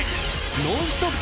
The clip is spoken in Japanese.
ノンストップ！